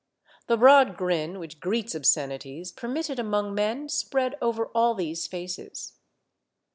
The broad grin which greets obscenities permitted among men spread over all these faces.